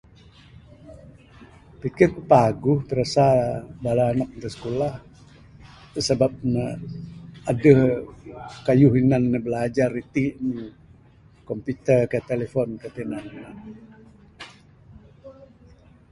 Pikir ku paguh pirasa bala anak da sikulah, da sabab ne adeh kayuh inan ne bilajar itin, computer kah telephone kah tinan ne.